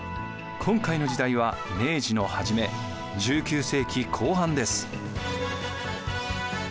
今回の時代は明治の初め１９世紀後半です。